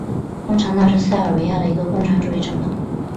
共产党是塞尔维亚的一个共产主义政党。